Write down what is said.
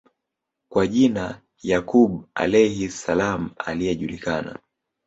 kwa jina Ya quub Alayhis Salaam aliyejulikana